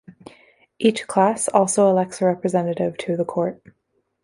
Each class also elects a representative to the court.